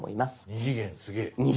２次元すげぇ。